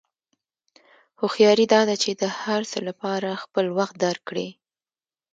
هوښیاري دا ده چې د هر څه لپاره خپل وخت درک کړې.